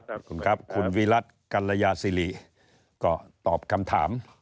ขอบคุณครับคุณวิรัติกัลยาสิริก็ตอบคำถาม